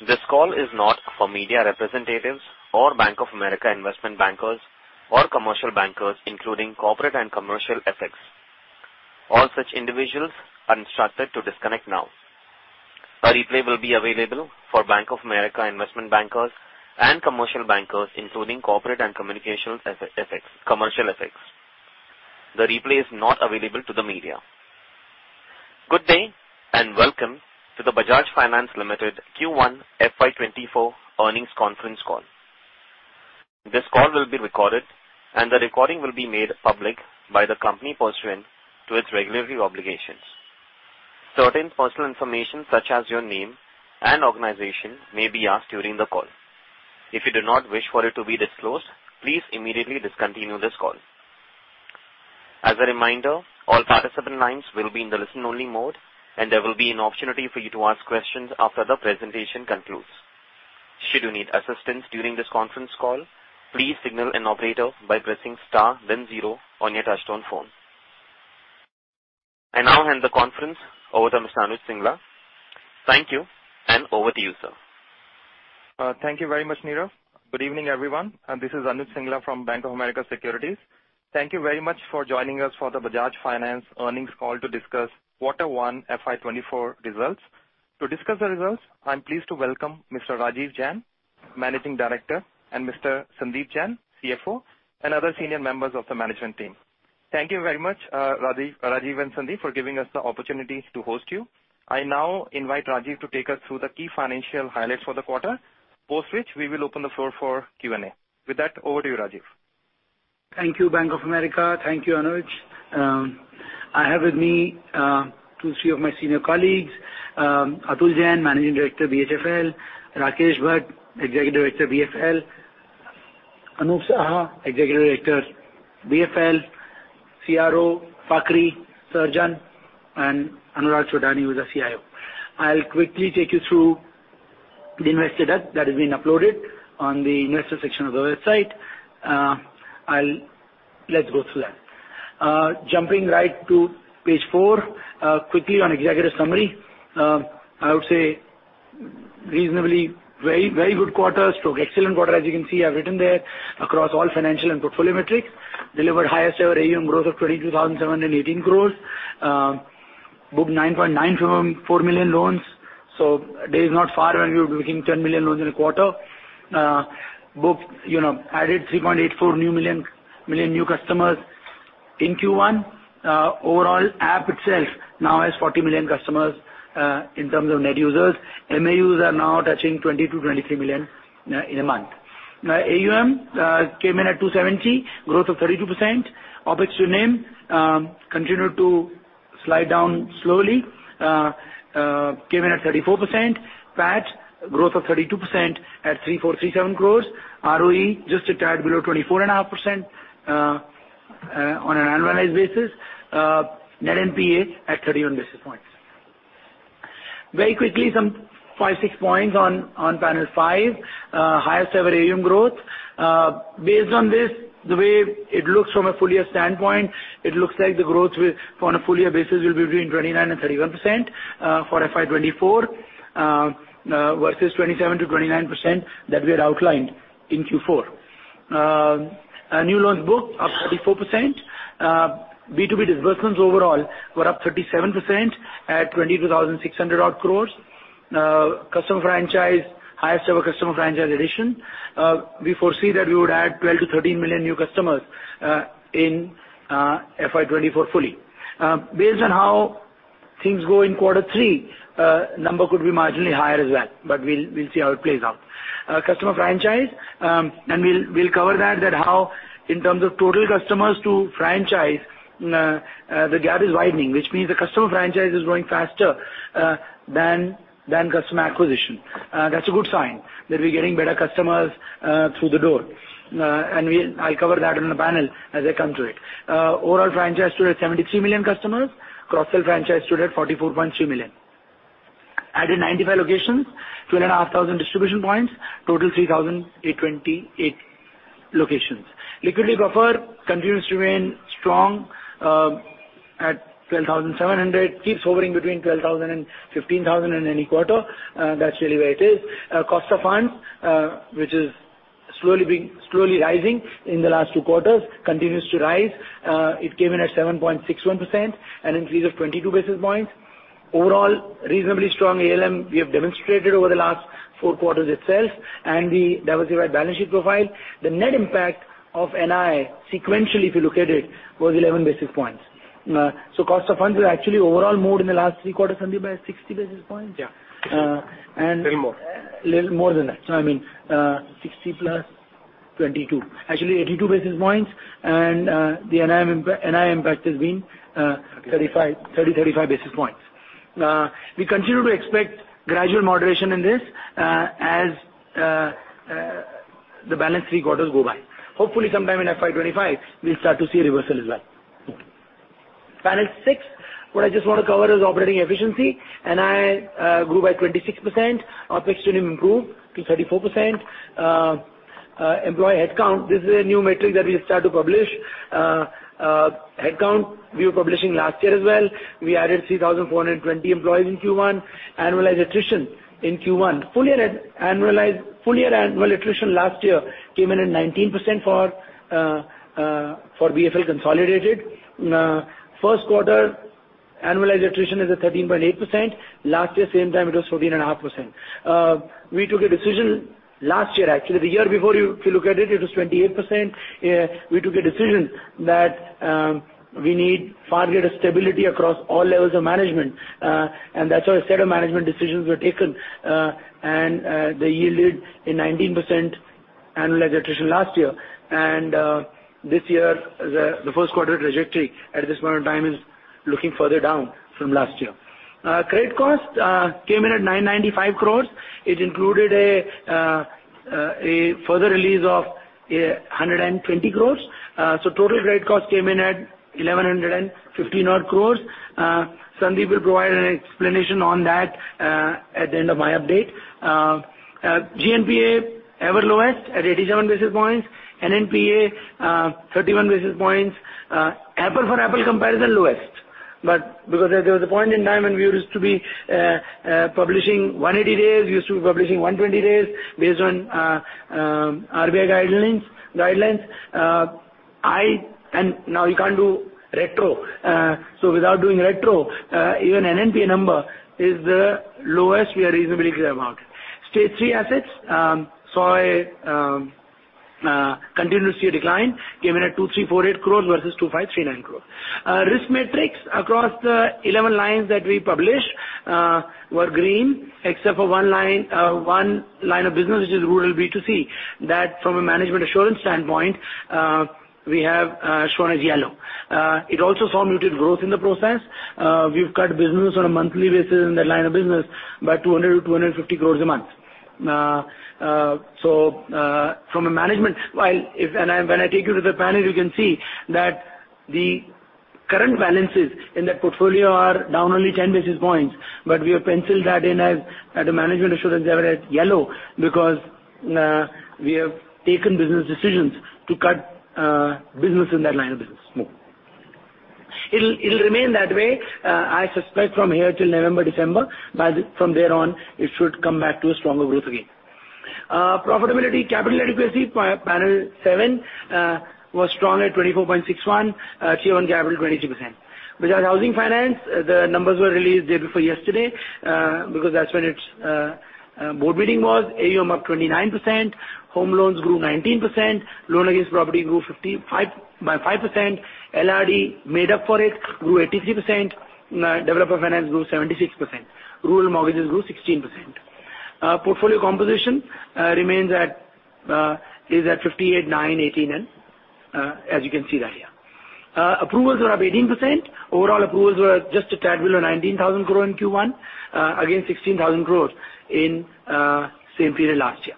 This call is not for media representatives or Bank of America investment bankers or commercial bankers, including corporate and commercial FX. All such individuals are instructed to disconnect now. A replay will be available for Bank of America investment bankers and commercial bankers, including corporate and commercial FX. The replay is not available to the media. Good day, welcome to the Bajaj Finance Limited Q1 FY24 earnings conference call. This call will be recorded, the recording will be made public by the company pursuant to its regulatory obligations. Certain personal information, such as your name and organization, may be asked during the call. If you do not wish for it to be disclosed, please immediately discontinue this call. As a reminder, all participant lines will be in the listen-only mode. There will be an opportunity for you to ask questions after the presentation concludes. Should you need assistance during this conference call, please signal an operator by pressing star then zero on your touchtone phone. I now hand the conference over to Mr. Anuj Singla. Thank you. Over to you, sir. Thank you very much, Neeraj. Good evening, everyone. This is Anuj Singla from Bank of America Securities. Thank you very much for joining us for the Bajaj Finance earnings call to discuss quarter one FY24 results. To discuss the results, I'm pleased to welcome Mr. Rajeev Jain, Managing Director, and Mr. Sandeep Jain, CFO, and other senior members of the management team. Thank you very much, and Sandeep, for giving us the opportunity to host you. I now invite Rajiv to take us thrth the key financial highlights for the quarter, post which we will open the floor for Q&A. With that, over to you, Rajiv. Thank you, Bank of America. Thank you, Anuj. I have with me, two, three of my senior colleagues, Atul Jain, Managing Director, BHFL, Rakesh Bhatt, Executive Director, BFL, Anup Saha, Executive Director, BFL, CRO, Fakhari Sarjan, and Anurag Chottani, who is our CIO. I'll quickly take you through the investor deck that has been uploaded on the investor section of the website. Let's go through that. Jumping right to page four, quickly on executive summary. I would say reasonably very, very good quarter. Excellent quarter, as you can see, I've written there across all financial and portfolio metrics, delivered highest ever AUM growth of 22,718 crores, booked 9.94 million loans. The day is not far when we will be booking 10 million loans in a quarter. Booked, you know, added 3.84 million new customers in Q1. overall, app itself now has 40 million customers in terms of net users. MAUs are now touching 20-23 million in a month. AUM came in at 270, growth of 32%. OPEX to NIM continued to slide down slowly, came in at 34%. PAT, growth of 32% at 3,437 crores. ROE, just a tad below 24.5% on an annualized basis. net NPA at 31 basis points. Very quickly, some 5, 6 points on panel 5, highest ever AUM growth. Based on this, the way it looks from a full year standpoint, it looks like the growth will, on a full year basis, will be between 29% and 31% for FY24 versus 27%-29% that we had outlined in Q4. Our new loans booked up 34%. B2B disbursements overall were up 37% at 22,600 odd crores. Customer franchise, highest ever customer franchise addition. We foresee that we would add 12-13 million new customers in FY24 fully. Based on how things go in quarter three, number could be marginally higher as well, but we'll see how it plays out. Customer franchise, we'll cover that how in terms of total customers to franchise, the gap is widening, which means the customer franchise is growing faster than customer acquisition. That's a good sign, that we're getting better customers through the door. I'll cover that in the panel as I come to it. Overall franchise stood at 73 million customers. Cross-sell franchise stood at 44.3 million. Added 95 locations, 12,500 distribution points, total 3,828 locations. Liquidity buffer continues to remain strong, at 12,700, keeps hovering between 12,000 and 15,000 in any quarter. That's really where it is. Cost of funds, which is slowly rising in the last two quarters, continues to rise. It came in at 7.61%, an increase of 22 basis points. Overall, reasonably strong ALM, we have demonstrated over the last four quarters itself, and the diversified balance sheet profile. The net impact of NI, sequentially, if you look at it, was 11 basis points. Cost of funds was actually overall more in the last three quarters, Sandeep, by 60 basis points? Yeah. Uh, and- Little more. Little more than that. I mean, 60 plus 22, actually 82 basis points. The NI impact has been 35, 30 to 35 basis points. We continue to expect gradual moderation in this as the balance 3 quarters go by. Hopefully, sometime in FY25, we'll start to see a reversal as well. Panel 6, what I just want to cover is operating efficiency, NI grew by 26%. OPEX to NIM improved to 34%. Employee headcount, this is a new metric that we start to publish. Headcount, we were publishing last year as well. We added 3,420 employees in Q1. Annualized attrition in Q1. Full year annual attrition last year came in at 19% for BFL consolidated. First quarter, annualized attrition is at 13.8%. Last year, same time, it was 14.5%. We took a decision last year. Actually, the year before you, if you look at it was 28%. We took a decision that we need far greater stability across all levels of management, and that's why a set of management decisions were taken, and they yielded a 19% annualized attrition last year. This year, the first quarter trajectory at this point in time is looking further down from last year. Credit cost came in at 995 crores. It included a further release of 120 crores. Total credit cost came in at 1,150-odd crores. Sandeep will provide an explanation on that at the end of my update. GNPA, ever lowest at 87 basis points. NNPA, 31 basis points. Apple for apple comparison, lowest. Because there was a point in time when we used to be publishing 180 days, we used to be publishing 120 days based on RBI guidelines. Now you can't do retro. Without doing retro, even NNPA number is the lowest we are reasonably clear about. Stage three assets continued to see a decline, came in at 2,348 crores versus 2,539 crores. Risk metrics across the 11 lines that we published, were green, except for one line of business, which is rural B2C, that from a management assurance standpoint, we have shown as yellow. It also saw muted growth in the process. We've cut business on a monthly basis in that line of business by 200 crore-250 crore a month. From a management while, and I, when I take you to the panel, you can see that the current balances in that portfolio are down only 10 basis points, but we have penciled that in as, at a management assurance level as yellow, because we have taken business decisions to cut business in that line of business. Move. It'll remain that way, I suspect from here till November, December, but from there on, it should come back to a stronger growth again. Profitability, capital adequacy by panel 7, was strong at 24.61, Tier 1 capital, 22%. Bajaj Housing Finance, the numbers were released day before yesterday, because that's when its board meeting was. AUM up 29%, home loans grew 19%, loan against property grew 55%, by 5%, LRD made up for it, grew 83%, developer finance grew 76%, rural mortgages grew 16%. Portfolio composition remains at, is at 58, 9, 18, and as you can see that here. Approvals were up 18%. Overall approvals were just a tad below 19,000 crore in Q1, against 16,000 crore in same period last year.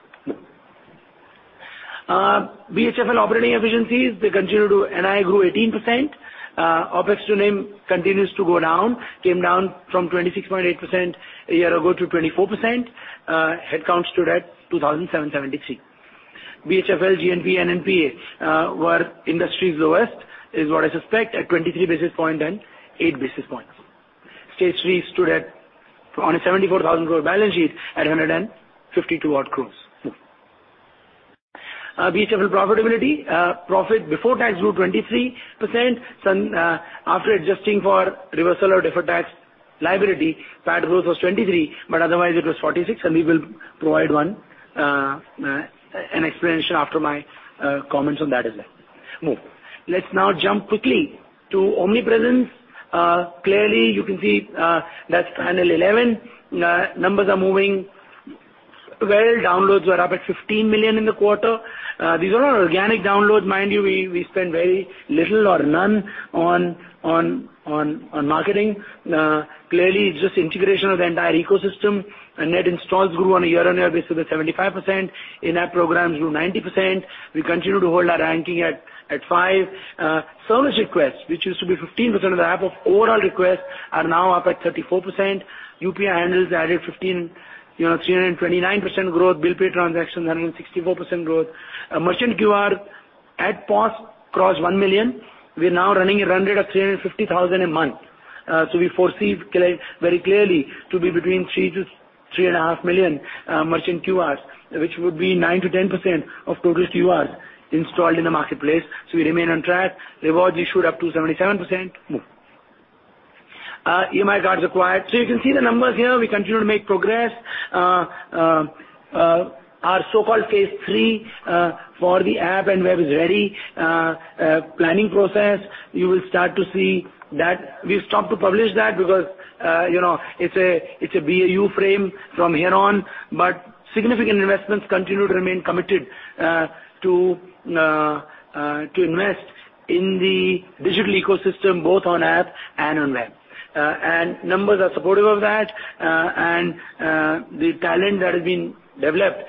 BHFL operating efficiencies. NII grew 18%. OpEx to NIM continues to go down, came down from 26.8% a year ago to 24%. Headcount stood at 2,773. BHFL, GNPA, NNPA were industry's lowest, is what I suspect, at 23 basis points and 8 basis points. Stage three stood at on a 74,000 crore balance sheet at 152 odd crore. BHFL profitability, profit before tax grew 23%. After adjusting for reversal of deferred tax liability, PAT growth was 23, but otherwise it was 46, and we will provide one an explanation after my comments on that as well. Move. Let's now jump quickly to Omnipresence. Clearly, you can see, that's panel 11. Numbers are moving well. Downloads were up at 15 million in the quarter. These are all organic downloads. Mind you, we spend very little or none on marketing. Clearly, it's just integration of the entire ecosystem, and net installs grew on a year-on-year basis of 75%. In-app programs grew 90%. We continue to hold our ranking at 5. Service requests, which used to be 15% of the app of overall requests, are now up at 34%. UPI handles added 15, you know, 329% growth. Bill pay transactions are running 64% growth. Merchant QR at POS crossed 1 million. We're now running at a run rate of 350,000 a month. We foresee clear, very clearly to be between 3 to 3 and a half million merchant QRs, which would be 9% to 10% of total QRs installed in the marketplace. We remain on track. Rewards issued up to 77%. Move. EMI cards acquired. You can see the numbers here. We continue to make progress. Our so-called phase 3 for the app and web is ready. Planning process, you will start to see that we've stopped to publish that because, you know, it's a BAU frame from here on, but significant investments continue to remain committed to invest in the digital ecosystem, both on app and on web. Numbers are supportive of that, and the talent that has been developed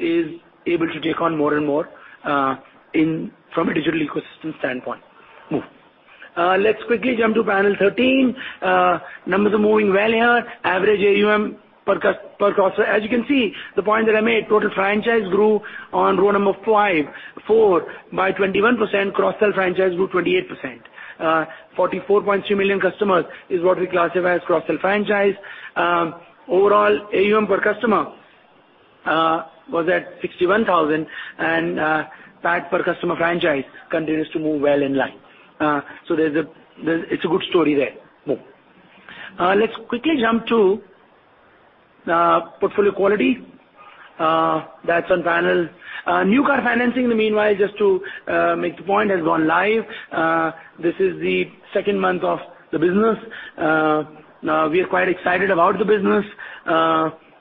is able to take on more and more from a digital ecosystem standpoint. Let's quickly jump to panel 13. Numbers are moving well here. Average AUM per customer. As you can see, the point that I made, total franchise grew on row number 5, 4 by 21%, cross-sell franchise grew 28%. 44.3 million customers is what we classify as cross-sell franchise. Overall, AUM per customer was at 61,000, and PAT per customer franchise continues to move well in line. There's a good story there. Let's quickly jump to portfolio quality. That's on panel. New car financing, in the meanwhile, just to make the point, has gone live. This is the second month of the business. We are quite excited about the business,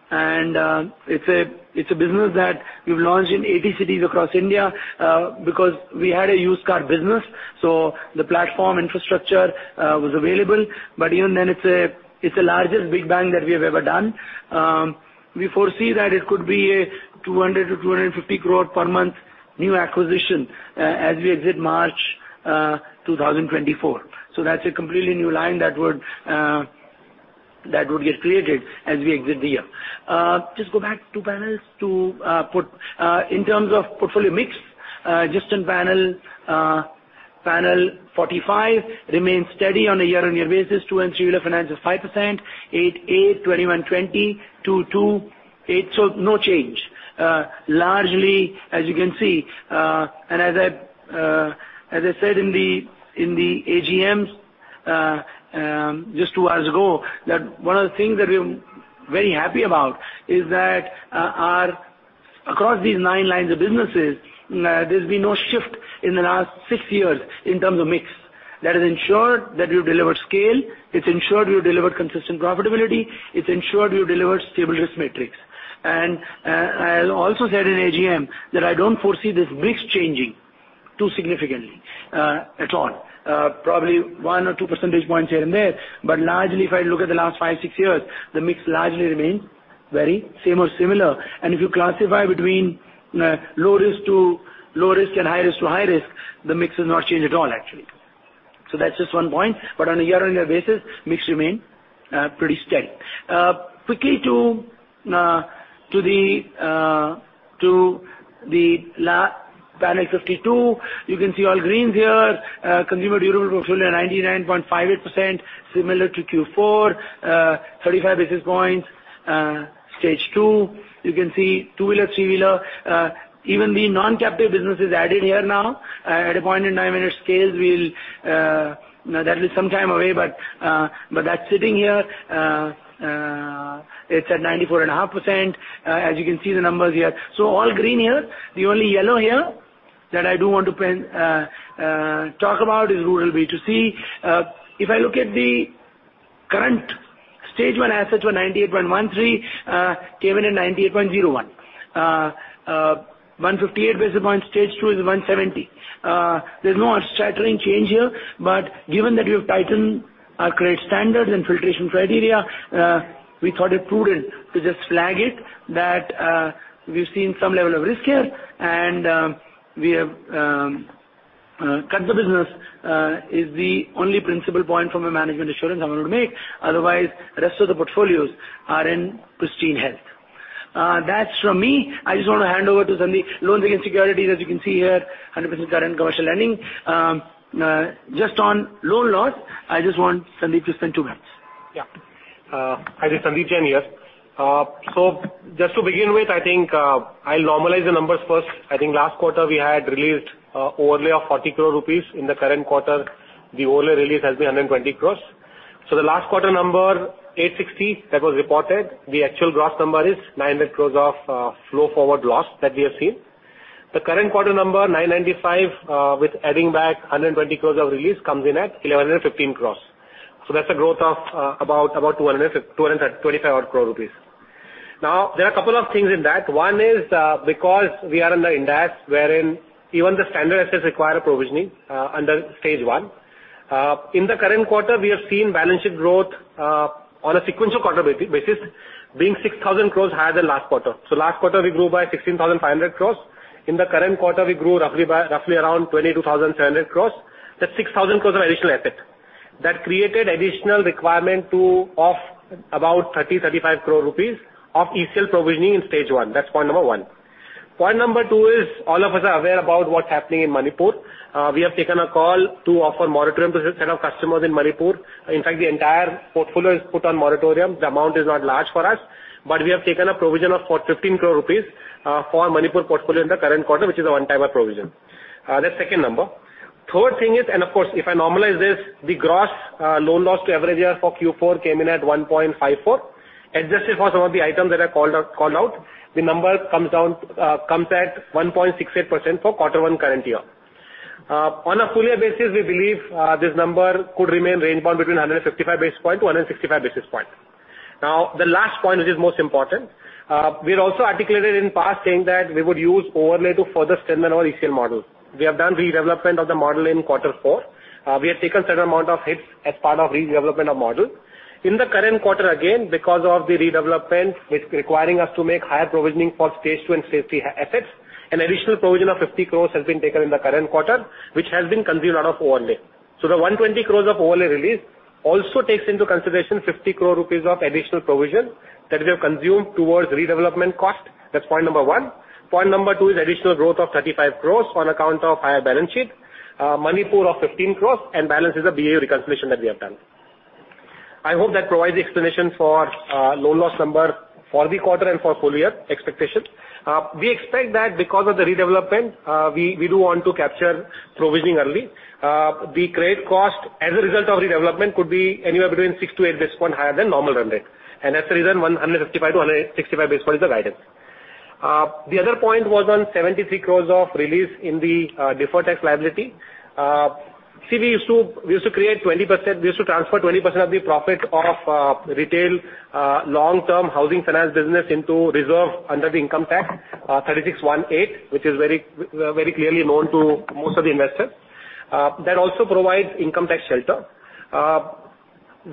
and it's a business that we've launched in 80 cities across India, because we had a used car business, so the platform infrastructure was available. Even then, it's the largest big bang that we have ever done. We foresee that it could be an 200 crore-250 crore per month new acquisition, as we exit March 2024. That's a completely new line that would get created as we exit the year. Just go back two panels to port... In terms of portfolio mix, just in panel 45, remains steady on a year-on-year basis. 2- and 3-wheeler finance is 5%, 8, 21, 20, 2. 8, no change. Largely, as you can see, and as I said in the AGMs, just 2 hours ago, that one of the things that we're very happy about is that our... across these 9 lines of businesses, there's been no shift in the last 6 years in terms of mix. That has ensured that we've delivered scale, it's ensured we've delivered consistent profitability, it's ensured we've delivered stable risk metrics. I also said in AGM that I don't foresee this mix changing too significantly at all. Probably 1 or 2 percentage points here and there. Largely, if I look at the last five, six years, the mix largely remains very same or similar. If you classify between, low risk to low risk and high risk to high risk, the mix has not changed at all, actually. That's just one point. On a year-on-year basis, mix remain pretty steady. Quickly to the panel 52, you can see all greens here. Consumer durable portfolio, 99.58%, similar to Q4, 35 basis points. Stage two, you can see two-wheeler, three-wheeler, even the non-captive business is added here now. At a point in time, when it scales, we'll now, that is some time away, but that's sitting here. It's at 94.5%, as you can see the numbers here. All green here. The only yellow here that I do want to talk about is rural B2C. If I look at the current stage one assets were 98.13%, came in at 98.01%. 158 basis points, stage two is 170. There's no earth-shattering change here, given that we have tightened our credit standards and filtration criteria, we thought it prudent to just flag it that we've seen some level of risk here, and we have cut the business is the only principal point from a management assurance I wanted to make. Rest of the portfolios are in pristine health. That's from me. I just want to hand over to Sandeep. Loans against securities, as you can see here, 100% current commercial lending. Just on loan loss, I just want Sandeep to spend 2 minutes. Hi, this is Sandeep Jain here. Just to begin with, I think, I'll normalize the numbers first. I think last quarter we had released overlay of 40 crore rupees. In the current quarter, the overlay release has been 120 crore. The last quarter number, 860, that was reported, the actual gross number is 900 crore rupees of flow forward loss that we have seen. The current quarter number, 995, with adding back 120 crore of release, comes in at 1,115 crore. That's a growth of about 225 crore rupees. There are a couple of things in that. One is, because we are in the IND AS, wherein even the standard assets require a provisioning under stage one. In the current quarter, we have seen balance sheet growth on a sequential quarter basis, being 6,000 crores higher than last quarter. Last quarter, we grew by 16,500 crores. In the current quarter, we grew roughly around 22,700 crores. That's 6,000 crores of additional asset. That created additional requirement of about 30-35 crore rupees of ECL provisioning in Stage 1. That's point number one. Point number two is, all of us are aware about what's happening in Manipur. We have taken a call to offer moratorium to a set of customers in Manipur. In fact, the entire portfolio is put on moratorium. The amount is not large for us, but we have taken a provision for 15 crore rupees for Manipur portfolio in the current quarter, which is a one-time provision. That's second number. Third thing is, of course, if I normalize this, the gross loan loss to average year for Q4 came in at 1.54. Adjusted for some of the items that I called out, the number comes down, comes at 1.68% for quarter one current year. On a full year basis, we believe, this number could remain range bound between 155 basis points to 165 basis points. The last point, which is most important, we had also articulated in past saying that we would use overlay to further strengthen our ECL model. We have done redevelopment of the model in quarter four. We have taken certain amount of hits as part of redevelopment of model. In the current quarter, again, because of the redevelopment, it's requiring us to make higher provisioning for stage two and stage three assets. An additional provision of 50 crores has been taken in the current quarter, which has been consumed out of overlay. The 120 crores of overlay also takes into consideration 50 crore rupees of additional provision that we have consumed towards redevelopment cost. That's point number one. Point number two is additional growth of 35 crores on account of higher balance sheet, money pool of 15 crores, and balance is a BA reconciliation that we have done. I hope that provides the explanation for loan loss number for the quarter and for full year expectations. We expect that because of the redevelopment, we do want to capture provisioning early. The credit cost as a result of redevelopment could be anywhere between 6 to 8 basis points higher than normal run rate. That's the reason 155 to 165 basis points is the guidance. The other point was on 73 crores of release in the deferred tax liability. We used to create 20%. We used to transfer 20% of the profit of retail long-term housing finance business into reserve under the income tax Section 36(1)(viii), which is very clearly known to most of the investors. That also provides income tax shelter.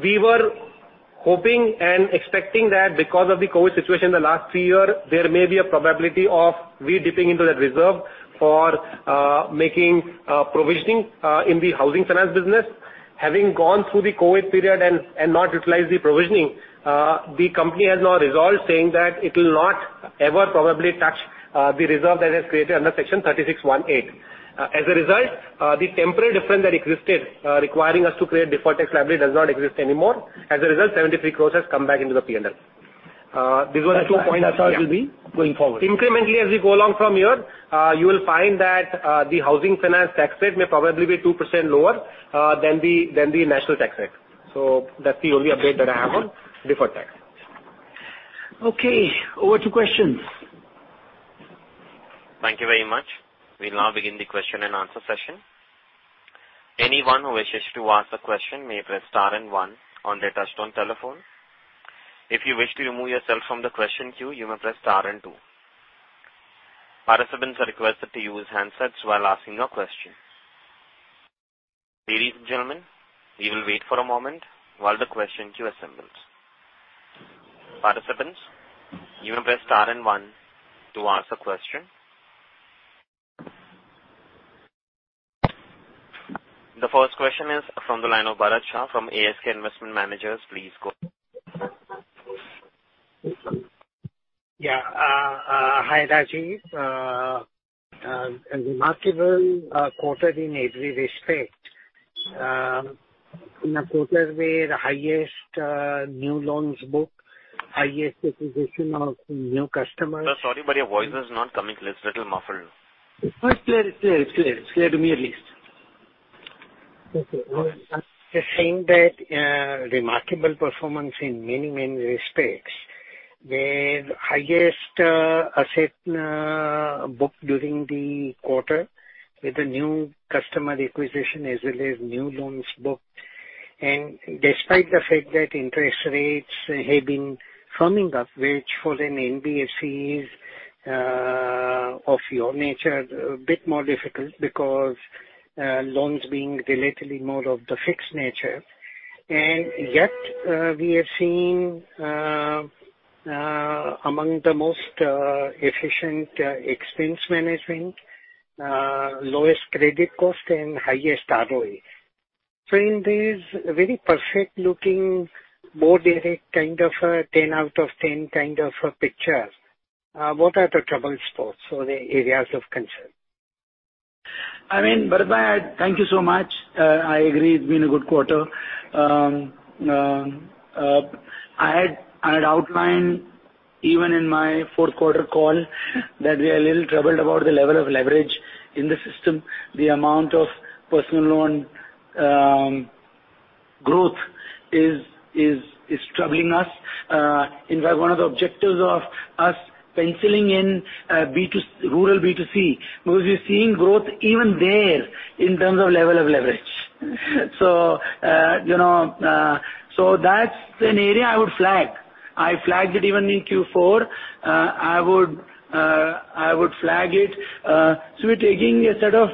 We were hoping and expecting that because of the COVID situation in the last three year, there may be a probability of we dipping into that reserve for making provisioning in the housing finance business. Having gone through the COVID period and not utilized the provisioning, the company has now resolved, saying that it will not ever probably touch the reserve that has created under Section 36(1)(viii). As a result, the temporary difference that existed, requiring us to create deferred tax liability, does not exist anymore. As a result, 73 crores has come back into the PNL. These were the two points. That's how it will be going forward. Incrementally, as we go along from here, you will find that the housing finance tax rate may probably be 2% lower than the national tax rate. That's the only update that I have on deferred tax. Okay. Over to questions. Thank you very much. We'll now begin the question and answer session. Anyone who wishes to ask a question may press star and one on their touchtone telephone. If you wish to remove yourself from the question queue, you may press star and two. Participants are requested to use handsets while asking your question. Ladies and gentlemen, we will wait for a moment while the question queue assembles. Participants, you may press star and one to ask a question. The first question is from the line of Bharat Shah, from ASK Investment Managers. Please go. Yeah. Hi, Rajiv. Remarkable quarter in every respect. In a quarter where the highest new loans book, highest acquisition of new customers. Sir, sorry, but your voice is not coming clear. It's little muffled. It's clear. It's clear. It's clear. It's clear to me, at least. Okay. I'm just saying that, remarkable performance in many, many respects, with highest, asset, book during the quarter, with the new customer acquisition as well as new loans booked. Despite the fact that interest rates have been firming up, which for an NBFCs, of your nature, a bit more difficult because, loans being relatively more of the fixed nature. Yet, we are seeing, among the most, efficient, expense management, lowest credit cost and highest ROE. In this very perfect-looking, more direct, kind of a 10 out of 10, kind of a picture, what are the trouble spots or the areas of concern? I mean, Bharat, thank you so much. I agree, it's been a good quarter. I had outlined even in my fourth quarter call, that we are a little troubled about the level of leverage in the system. The amount of personal loan growth is troubling us. In fact, one of the objectives of us penciling in rural B2C, because we're seeing growth even there in terms of level of leverage. You know, that's an area I would flag. I flagged it even in Q4. I would flag it. We're taking a set of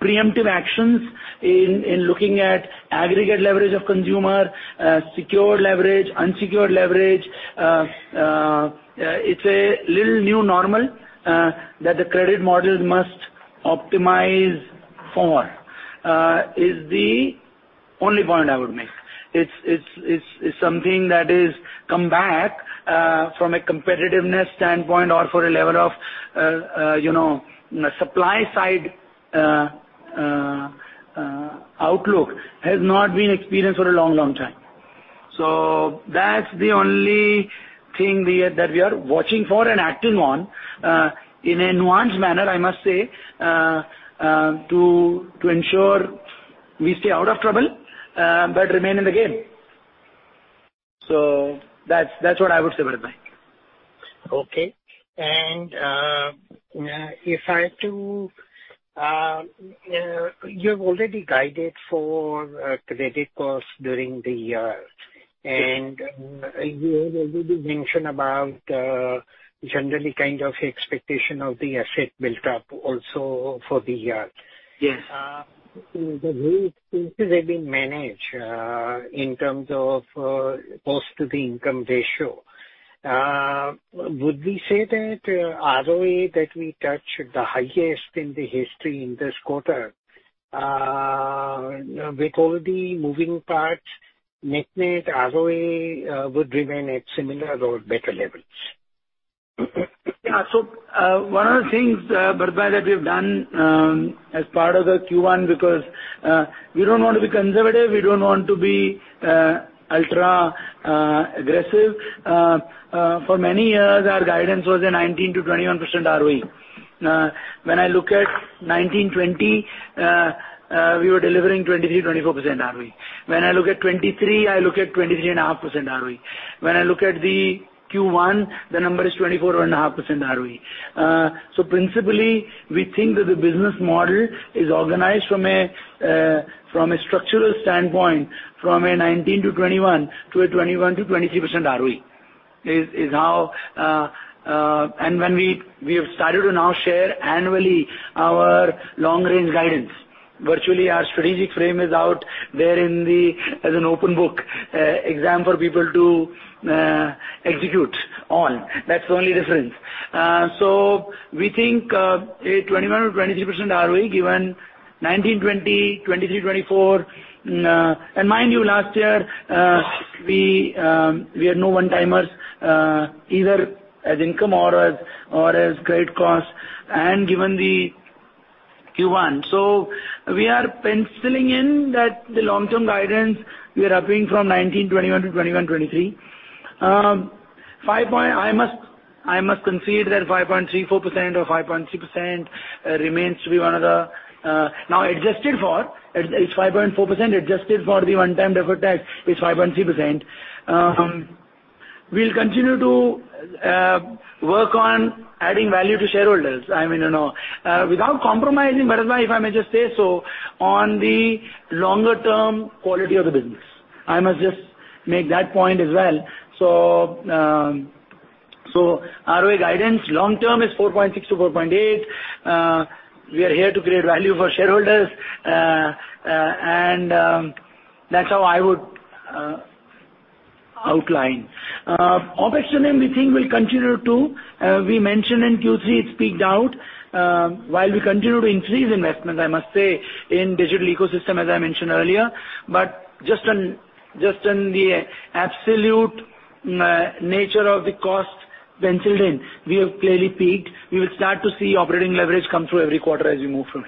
preemptive actions in looking at aggregate leverage of consumer, secured leverage, unsecured leverage. It's a little new normal that the credit model must optimize for is the only point I would make. It's something that is come back from a competitiveness standpoint or for a level of, you know, supply side outlook, has not been experienced for a long, long time. That's the only thing we are, that we are watching for and acting on in a nuanced manner, I must say, to ensure we stay out of trouble, but remain in the game. That's what I would say, Bharat Bhai. Okay. If I have to, you've already guided for credit costs during the year. Yes. You have already mentioned about, generally kind of expectation of the asset built up also for the year. Yes. The rate seems to have been managed, in terms of, cost to the income ratio. Would we say that, ROE that we touched the highest in the history in this quarter, with all the moving parts, net-net ROE, would remain at similar or better levels? Yeah. One of the things, Bharat, that we've done, as part of the Q1, because we don't want to be conservative, we don't want to be ultra aggressive. For many years, our guidance was a 19%-21% ROE. When I look at 19, 20, we were delivering 23%-24% ROE. When I look at 23, I look at 23 and a half % ROE. When I look at the Q1, the number is 24 and a half % ROE. Principally, we think that the business model is organized from a structural standpoint, from a 19%-21% to a 21%-23% ROE, is how, and when we have started to now share annually our long-range guidance. Virtually, our strategic frame is out there in the, as an open book exam for people to execute on. That's the only difference. We think a 21%-23% ROE, given 19, 20, 23, 24, and mind you, last year, we had no one-timers, either as income or as great cost and given the Q1. We are penciling in that the long-term guidance, we are upping from 19%, 21% to 21%, 23%. I must concede that 5.3%, 4% or 5.6%, remains to be one of the, now, adjusted for, it's 5.4%, adjusted for the one-time deferred tax, it's 5.3%. We'll continue to work on adding value to shareholders. I mean, you know, without compromising, Barba, if I may just say so, on the longer-term quality of the business. I must just make that point as well. ROE guidance, long term, is 4.6%-4.8%. We are here to create value for shareholders, and that's how I would outline. OpEx to NIM, we think will continue to, we mentioned in Q3, it's peaked out. While we continue to increase investment, I must say, in digital ecosystem, as I mentioned earlier, but just on, just on the absolute, nature of the cost penciled in, we have clearly peaked. We will start to see operating leverage come through every quarter as we move from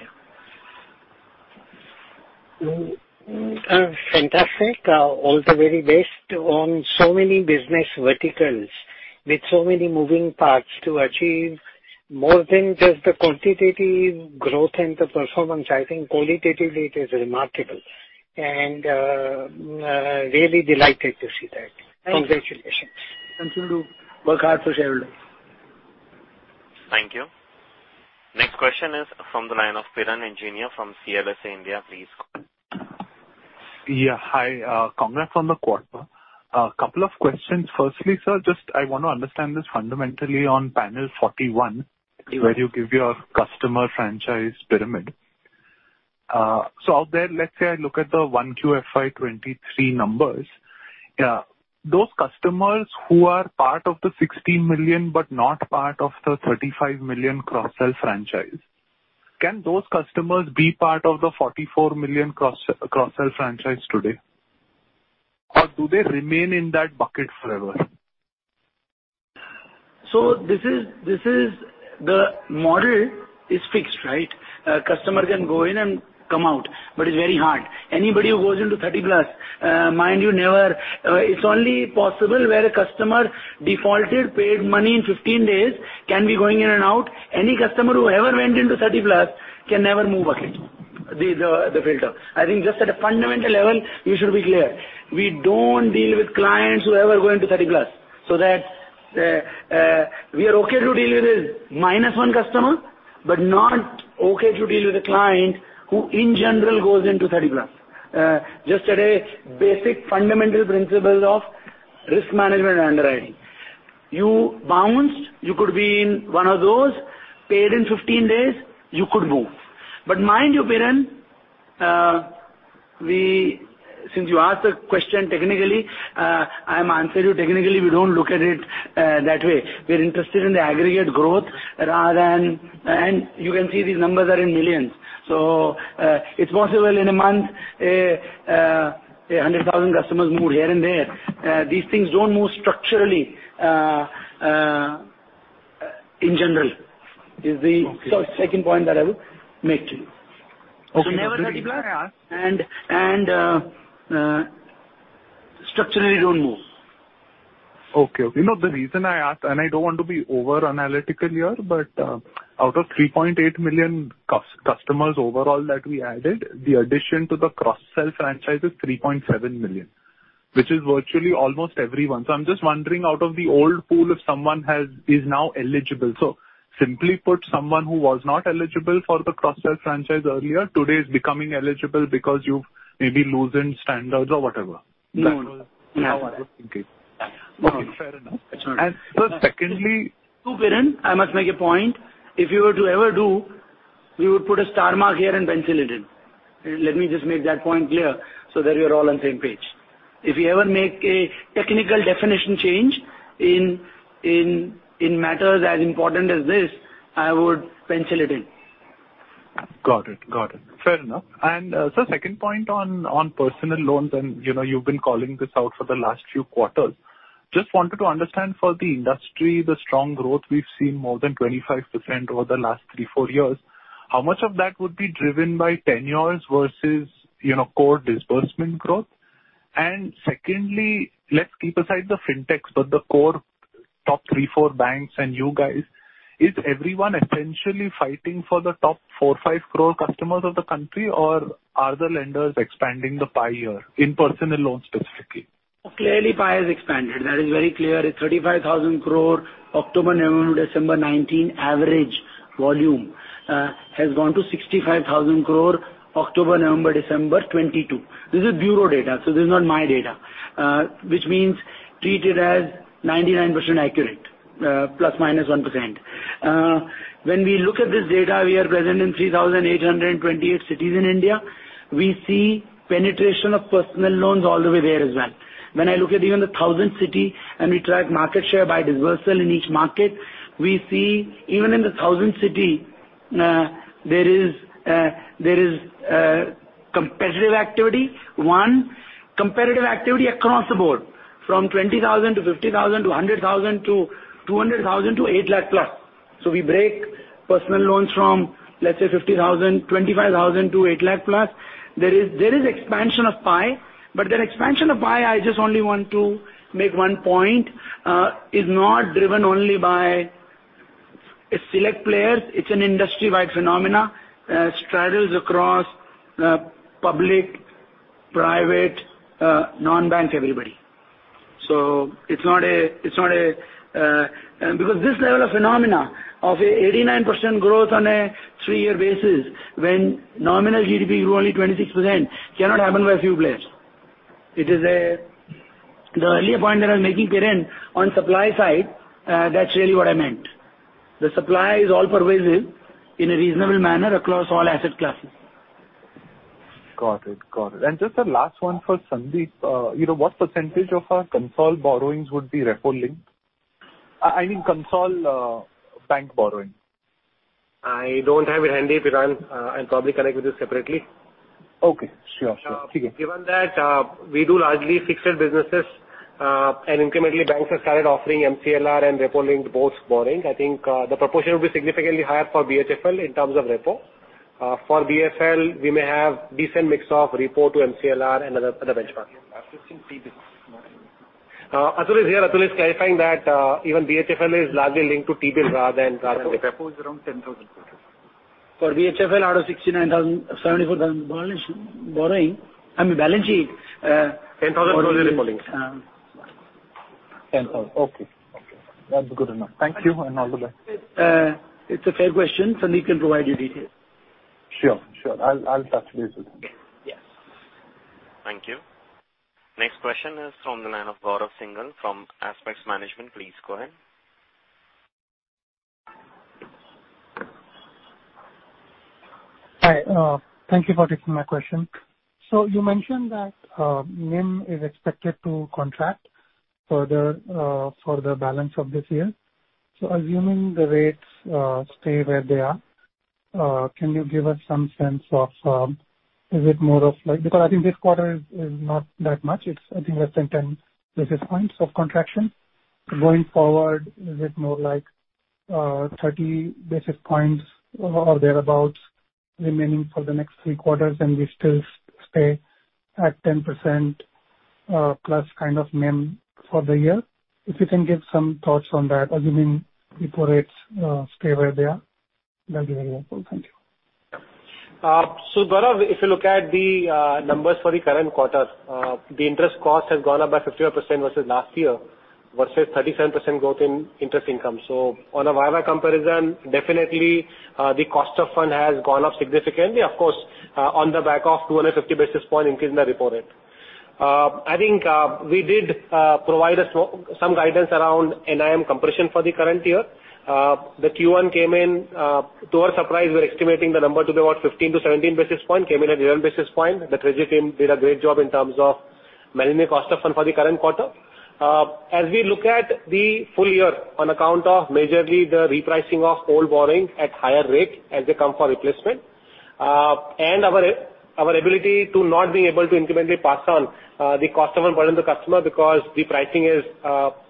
here. Fantastic. All the very best on so many business verticals with so many moving parts to achieve more than just the quantitative growth and the performance. I think qualitatively, it is remarkable, and really delighted to see that. Thank you. Congratulations. Thank you. Work hard for shareholders. Thank you. Next question is from the line of Piran Engineer from CLSA India. Please go. Yeah, hi. Congrats on the quarter. A couple of questions. Firstly, sir, just I want to understand this fundamentally on panel 41. Yeah. where you give your customer franchise pyramid. Out there, let's say I look at the 1 QFY23 numbers, those customers who are part of the 16 million, but not part of the 35 million cross-sell franchise, can those customers be part of the 44 million cross-sell franchise today? Do they remain in that bucket forever? The model is fixed, right? A customer can go in and come out, but it's very hard. Anybody who goes into 30 plus, mind you, it's only possible where a customer defaulted, paid money in 15 days, can be going in and out. Any customer who ever went into 30 plus, can never move bucket, the filter. I think just at a fundamental level, you should be clear. We don't deal with clients who ever go into 30 plus. We are okay to deal with a -1 customer, but not okay to deal with a client who, in general, goes into 30 plus. Just today, basic fundamental principles of risk management and underwriting. You bounced, you could be in one of those, paid in 15 days, you could move. Mind you, Piran, we, since you asked the question technically, I'm answer you technically, we don't look at it, that way. We're interested in the aggregate growth rather than. You can see these numbers are in millions. It's possible in a month, 100,000 customers moved here and there. These things don't move structurally, in general. Okay. is the second point that I will make to you. Okay. Never 30+, and structurally, don't move. Okay. Okay. You know, the reason I asked, and I don't want to be over analytical here, but, out of 3 million customers overall that we added, the addition to the cross-sell franchise is 3.7 million, which is virtually almost everyone. I'm just wondering, out of the old pool, if someone is now eligible. Simply put, someone who was not eligible for the cross-sell franchise earlier, today is becoming eligible because you've maybe loosened standards or whatever. No. That's what I was thinking. No. Okay, fair enough. It's not. secondly- Piran, I must make a point. If you were to ever do, we would put a star mark here and pencil it in. Let me just make that point clear so that we are all on the same page. If we ever make a technical definition change in matters as important as this, I would pencil it in. Got it. Got it. Fair enough. Second point on personal loans, and, you know, you've been calling this out for the last few quarters. Just wanted to understand for the industry, the strong growth we've seen more than 25% over the last 3, 4 years, how much of that would be driven by tenures versus, you know, core disbursement growth? Secondly, let's keep aside the fintechs, but the core top 3, 4 banks and you guys, is everyone essentially fighting for the top 4, 5 crore customers of the country, or are the lenders expanding the pie here in personal loans specifically? Clearly, pie has expanded. That is very clear. It's 35,000 crore, October, November, December 2019, average volume has gone to 65,000 crore, October, November, December 2022. This is bureau data, so this is not my data, which means treat it as 99% accurate, plus minus 1%. When we look at this data, we are present in 3,828 cities in India. We see penetration of personal loans all the way there as well. When I look at even the 1,000 city, and we track market share by dispersal in each market, we see even in the 1,000 city, there is competitive activity. One, competitive activity across the board, from 20,000 to 50,000 to 100,000 to 200,000 to 8 lakh plus. We break personal loans from, let's say, 50,000, 25,000 to 8 lakh plus. There is expansion of pie, but that expansion of pie, I just only want to make one point, is not driven only by a select players. It's an industry-wide phenomena, straddles across public, private, non-bank, everybody. It's not a. Because this level of phenomena of a 89% growth on a 3-year basis, when nominal GDP grow only 26%, cannot happen by a few players. It is a, the earlier point that I'm making, Kiran, on supply side, that's really what I meant. The supply is all pervasive in a reasonable manner across all asset classes. Got it. Got it. Just a last one for Sandeep. You know, what % of our console borrowings would be repo link? I mean, console, bank borrowing. I don't have it handy, Kiran. I'll probably connect with you separately. Okay. Sure, sure. Given that, we do largely fixed businesses, incrementally banks have started offering MCLR and repo-linked both borrowing. I think, the proportion will be significantly higher for BHFL in terms of repo. For BSL, we may have decent mix of repo to MCLR and other benchmarks. Atul is here. Atul is clarifying that, even BHFL is largely linked to T-bills rather than- Repo is around 10,000. For BHFL, out of 69,000, 74,000 borrowing, I mean, balance sheet. 10,000 totally repo links. 10,000. Okay. Okay, that's good enough. Thank you, and all the best. It's a fair question. Sandeep can provide you details. Sure. I'll talk to you soon. Yes. Thank you. Next question is from the line of Gaurav Singhal from Aspex Management. Please go ahead. Hi, thank you for taking my question. You mentioned that NIM is expected to contract for the balance of this year. Assuming the rates stay where they are, can you give us some sense of is it more of like? Because I think this quarter is not that much. It's, I think, like 10 basis points of contraction. Going forward, is it more like 30 basis points or thereabout, remaining for the next three quarters, and we still stay at 10% plus kind of NIM for the year? If you can give some thoughts on that, assuming repo rates stay where they are, that'd be very helpful. Thank you. Gaurav, if you look at the numbers for the current quarter, the interest cost has gone up by 55% versus last year, versus 37% growth in interest income. On a year-over-year comparison, definitely, the cost of fund has gone up significantly, of course, on the back of 250 basis point increase in the repo rate. I think, we did provide some guidance around NIM compression for the current year. The Q1 came in, to our surprise, we were estimating the number to be about 15 to 17 basis point, came in at 11 basis point. The treasury team did a great job in terms of managing the cost of fund for the current quarter. As we look at the full year, on account of majorly the repricing of old borrowing at higher rate as they come for replacement, and our ability to not being able to incrementally pass on the cost of improvement to the customer because the pricing is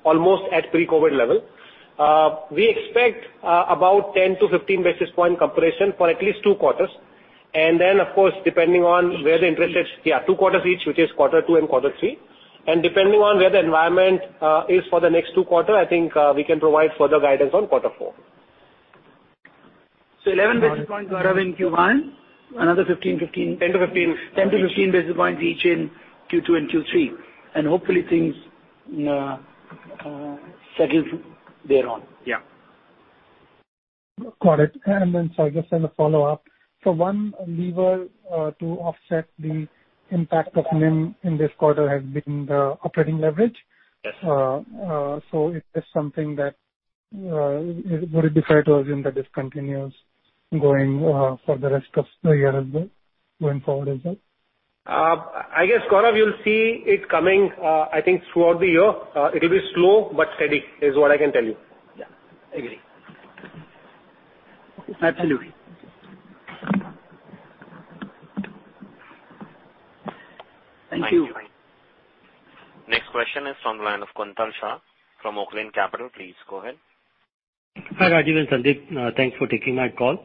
almost at pre-COVID level. We expect about 10 to 15 basis point compression for at least 2 quarters. Then, of course, depending on where the interest rates... Yeah, 2 quarters each, which is quarter 2 and quarter 3. Depending on where the environment is for the next 2 quarter, I think we can provide further guidance on quarter 4. 11 basis points in Q1, another 15. 10 to 15. 10 to 15 basis points each in Q2 and Q3, hopefully things settle there on. Yeah. Got it. I guess I have a follow-up. One lever to offset the impact of NIM in this quarter has been the operating leverage. Yes. It is something that, would it be fair to assume that this continues going for the rest of the year as well, going forward as well? I guess, Gaurav, you'll see it coming, I think throughout the year. It'll be slow but steady, is what I can tell you. Yeah, I agree. Absolutely. Thank you. Thank you. Next question is from the line of Kuntal Shah from Oaklane Capital. Please go ahead. Hi, Rajeev and Sandeep. Thanks for taking my call.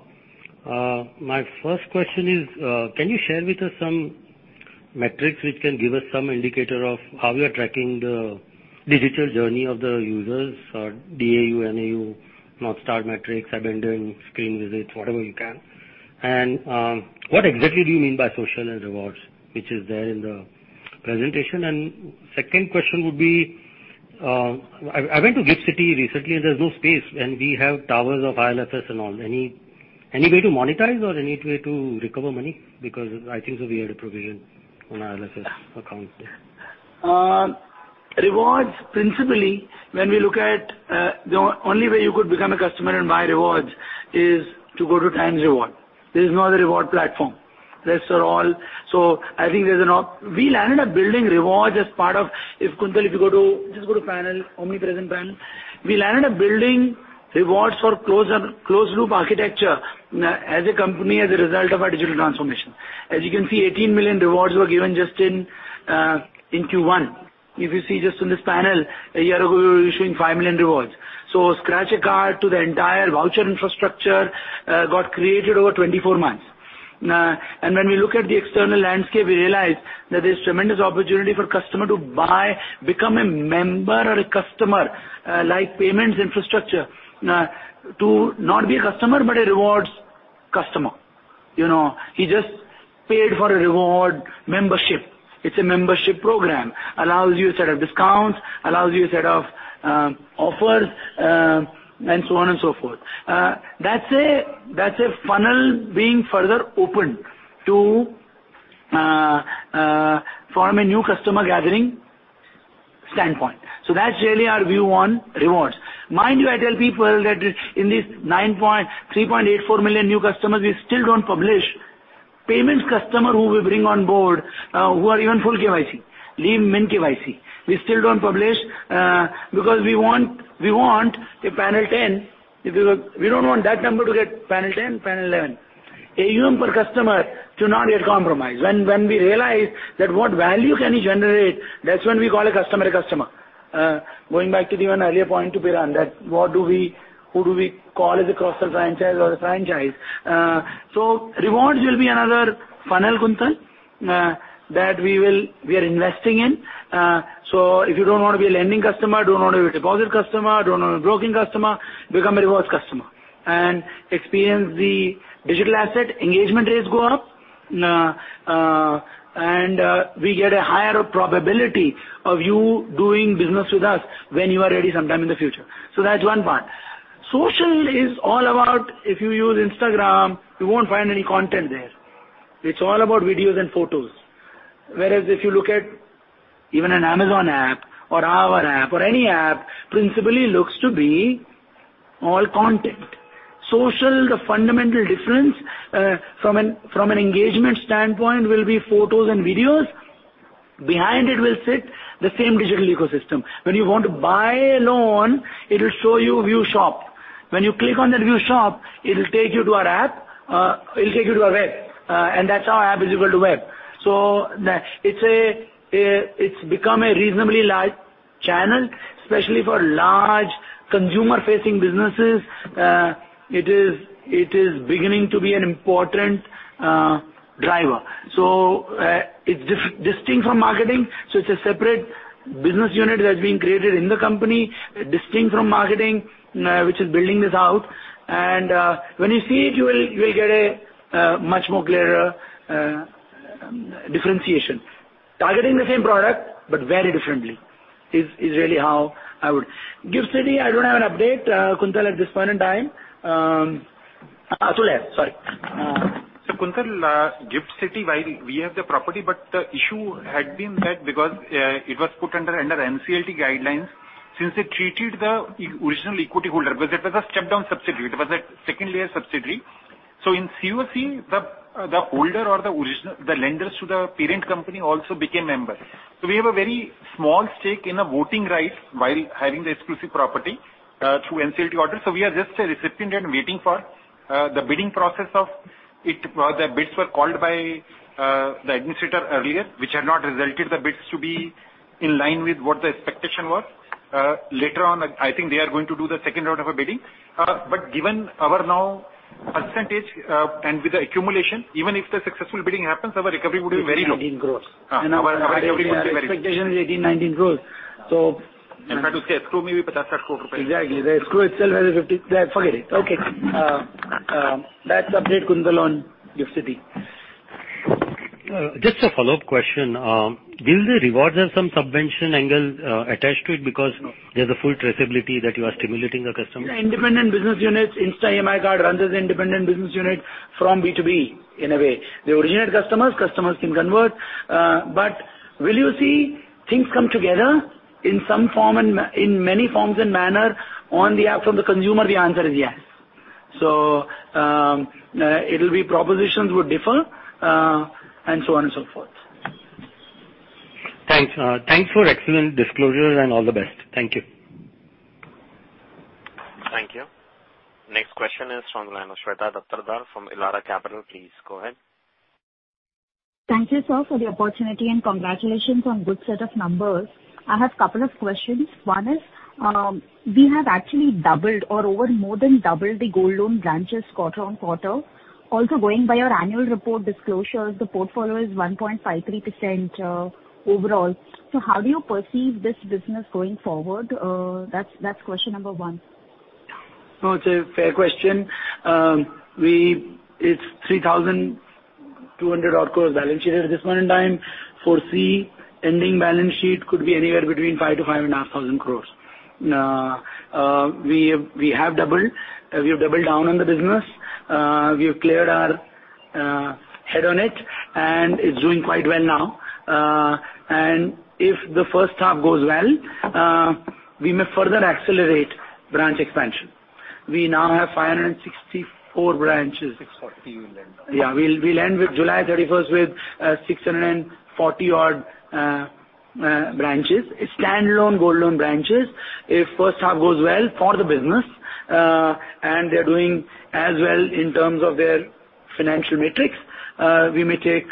My first question is, can you share with us some metrics which can give us some indicator of how we are tracking the digital journey of the users, or DAU, MAU, North Star metrics, abandoned screen visits, whatever you can? What exactly do you mean by social and rewards, which is there in the presentation? Second question would be, I went to Gift City recently, and there's no space, and we have towers of IL&FS and all. Any way to monetize or any way to recover money? Because I think that we had a provision on IL&FS account. Rewards, principally, when we look at, the only way you could become a customer and buy rewards is to go to Times Reward. This is not a reward platform. Rest are all... I think there's an op-- We landed up building rewards as part of, if Kuntal, if you go to, just go to panel, omnipresent panel. We landed up building rewards for closed up, closed-loop architecture, as a company, as a result of our digital transformation. As you can see, 18 million rewards were given just in Q1. If you see just on this panel, a year ago, we were issuing 5 million rewards. Scratch a card to the entire voucher infrastructure, got created over 24 months. When we look at the external landscape, we realize that there's tremendous opportunity for customer to buy, become a member or a customer, like payments infrastructure, to not be a customer, but a rewards customer. You know, he just paid for a reward membership. It's a membership program, allows you a set of discounts, allows you a set of offers and so on and so forth. That's a funnel being further opened to form a new customer gathering standpoint. That's really our view on rewards. Mind you, I tell people that in these nine point, 3.84 million new customers, we still don't publish payments customer who we bring on board, who are even full KYC, leave min-KYC. We still don't publish because we want a panel ten. We don't want that number to get panel 10, panel 11, AUM per customer to not get compromised. When we realize that what value can he generate, that's when we call a customer a customer. Going back to the one earlier point to Kiran, that who do we call as a cross-sell franchise or a franchise? So rewards will be another funnel, Kuntal, that we are investing in. So if you don't want to be a lending customer, don't want to be a deposit customer, don't want to be a broking customer, become a rewards customer and experience the digital asset, engagement rates go up, and we get a higher probability of you doing business with us when you are ready sometime in the future. That's one part. Social is all about if you use Instagram, you won't find any content there. It's all about videos and photos. Whereas if you look at even an Amazon app or our app or any app, principally looks to be all content. Social, the fundamental difference from an engagement standpoint, will be photos and videos. Behind it will sit the same digital ecosystem. When you want to buy a loan, it will show you view shop. When you click on that view shop, it will take you to our app, it will take you to our web, and that's our app is equal to web. It's become a reasonably large channel, especially for large consumer-facing businesses, it is beginning to be an important driver. it's distinct from marketing, so it's a separate business unit that's being created in the company, distinct from marketing, which is building this out. When you see it, you will get a much more clearer differentiation. Targeting the same product, but very differently, is really how I would... Gift City, I don't have an update, Kuntal, at this point in time. Surya, sorry. Kuntal, GIFT City, while we have the property, but the issue had been that because it was put under NCLT guidelines, since they treated the original equity holder, because that was a step-down subsidiary, it was a second layer subsidiary. In COC, the holder or the original, the lenders to the parent company also became members. We have a very small stake in a voting right while having the exclusive property through NCLT order. We are just a recipient and waiting for the bidding process of... The bids were called by the administrator earlier, which have not resulted the bids to be in line with what the expectation was. Later on, I think they are going to do the second round of a bidding. Given our now percentage, and with the accumulation, even if the successful bidding happens, our recovery would be very low. 18 crores. Our recovery would be very low. Expectation is 18, 19 crores. I have to say escrow maybe 55 crore rupees. Exactly. The escrow itself has a 50... Forget it. Okay. that's update, Kuntal, on Gift City. Just a follow-up question. Will the rewards have some subvention angle, attached to it because there's a full traceability that you are stimulating a customer? Independent business units, Insta EMI Card runs as independent business units from B2B in a way. They originate customers can convert, but will you see things come together in some form and in many forms and manner on the app from the consumer? The answer is yes. It'll be propositions would differ, and so on and so forth. Thanks. Thanks for excellent disclosure and all the best. Thank you. Thank you. Next question is from the line of Shweta Daptardar from Elara Capital. Please go ahead. Thank you, sir, for the opportunity. Congratulations on good set of numbers. I have a couple of questions. One is, we have actually doubled or over more than doubled the gold loan branches quarter on quarter. Also, going by your annual report disclosures, the portfolio is 1.53% overall. How do you perceive this business going forward? That's question number 1. No, it's a fair question. It's 3,200 odd crore balance sheet at this point in time. Foresee ending balance sheet could be anywhere between 5,000-5,500 crore. We have doubled down on the business, we have cleared our head on it, and it's doing quite well now. If the first half goes well, we may further accelerate branch expansion. We now have 564 branches. 640, we'll end up. We'll end with July 31st, with 640 odd branches. Standalone gold loan branches, if first half goes well for the business, and they're doing as well in terms of their financial metrics, we may take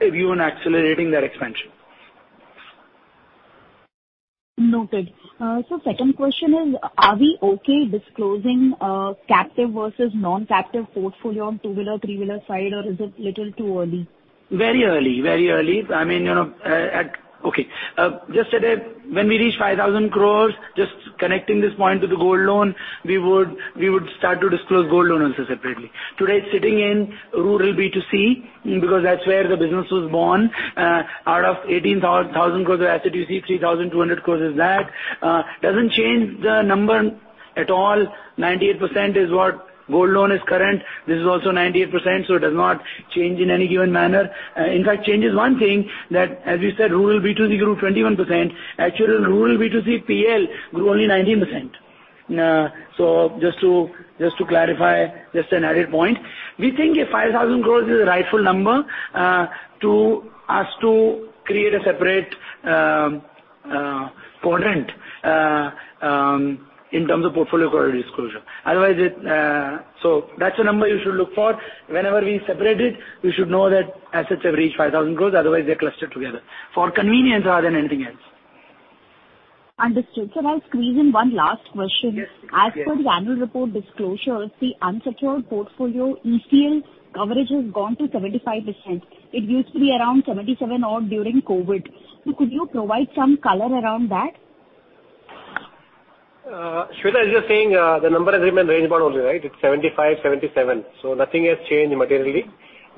a view on accelerating that expansion. Noted. Second question is, are we okay disclosing captive versus non-captive portfolio on two-wheeler, three-wheeler side, or is it little too early? Very early. Very early. I mean, you know, just today, when we reach 5,000 crore, just connecting this point to the gold loan, we would start to disclose gold loan also separately. Today, it's sitting in rural B2C, because that's where the business was born. Out of 18,000 crore of assets, you see 3,200 crore is that. Doesn't change the number at all. 98% is what gold loan is current. This is also 98%, it does not change in any given manner. In fact, change is one thing that, as we said, rural B2C grew 21%. Actual rural B2C PNL grew only 19%. Just to clarify, just an added point, we think 5,000 crores is a rightful number to us to create a separate quadrant in terms of portfolio quality disclosure. Otherwise, it. That's the number you should look for. Whenever we separate it, we should know that assets have reached 5,000 crores, otherwise they're clustered together, for convenience rather than anything else. Understood. Sir, I'll squeeze in one last question. Yes, please. As per the annual report disclosures, the unsecured portfolio ECL coverage has gone to 75%. It used to be around 77 odd during COVID. Could you provide some color around that? Shweta Daptardar, as you're saying, the number has remained range bound only, right? It's 75, 77, nothing has changed materially.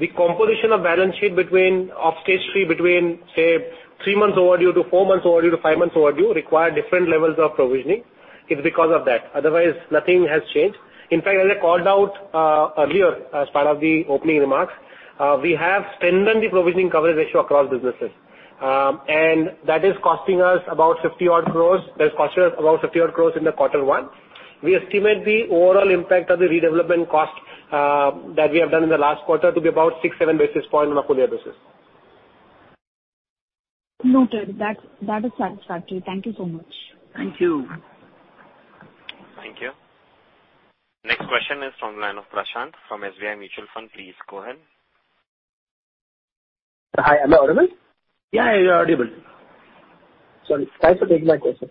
The composition of balance sheet between off stage 3, between, say, 3 months overdue to 4 months overdue to 5 months overdue, require different levels of provisioning. It's because of that. Otherwise, nothing has changed. In fact, as I called out earlier, as part of the opening remarks, we have strengthened the provisioning coverage ratio across businesses. That is costing us about 50 odd crores. That's costing us about 50 odd crores in the quarter one. We estimate the overall impact of the redevelopment cost that we have done in the last quarter to be about 6, 7 basis points on a full year basis. Noted. That is satisfactory. Thank you so much. Thank you. Thank you. Next question is from the line of Prashant from SBI Mutual Fund. Please go ahead. Hi, am I audible? Yeah, you're audible. Sorry. Thanks for taking my question.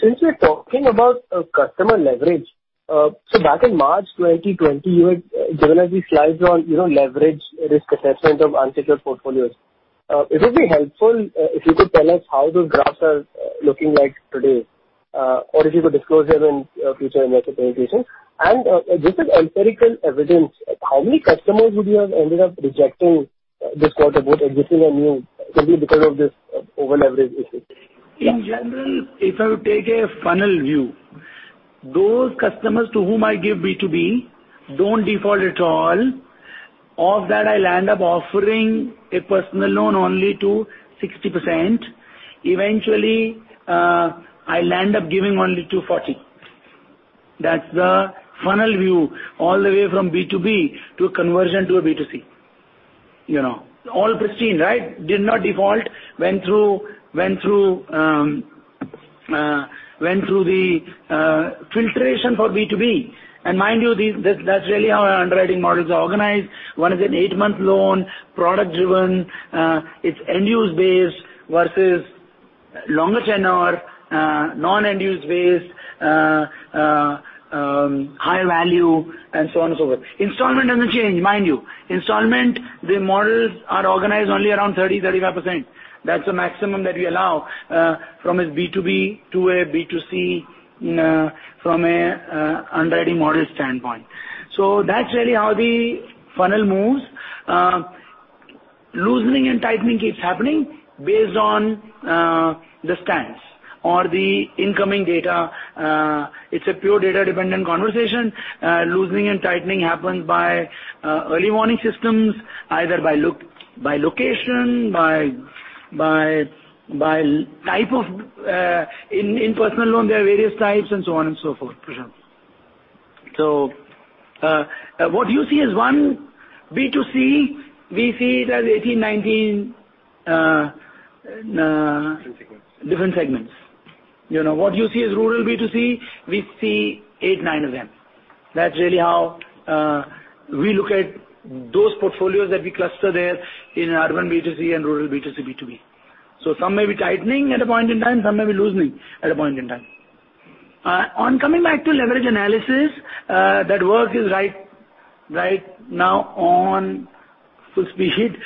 Since we're talking about customer leverage, back in March 2020, you had generated these slides on, you know, leverage risk assessment of unsecured portfolios. It would be helpful if you could tell us how those graphs are looking like today, or if you could disclose them in future investor presentation. Just an empirical evidence, how many customers would you have ended up rejecting this quarter, both existing and new, simply because of this over-leverage issue? In general, if I would take a funnel view, those customers to whom I give B2B don't default at all. Of that, I land up offering a personal loan only to 60%. Eventually, I land up giving only to 40. That's the funnel view all the way from B2B to a conversion to a B2C. You know, all pristine, right? Did not default. Went through, went through the filtration for B2B. Mind you, that's really how our underwriting models are organized. 1 is an 8-month loan, product driven, it's end-use based versus longer tenure, non-end-use based, high value, and so on and so forth. Installment doesn't change, mind you. Installment, the models are organized only around 30%, 35%. That's the maximum that we allow from a B2B to a B2C from a underwriting model standpoint. That's really how the funnel moves. Loosening and tightening keeps happening based on the stance or the incoming data. It's a pure data-dependent conversation. Loosening and tightening happens by early warning systems, either by location, by type of, in personal loan, there are various types and so on and so forth, Prashant. What you see as one B2C, we see it as 18, 19. Different segments. Different segments. You know, what you see as rural B2C, we see 8, 9 of them. That's really how we look at those portfolios that we cluster there in urban B2C and rural B2C, B2B. Some may be tightening at a point in time, some may be loosening at a point in time. On coming back to leverage analysis, that work is right now on full speed.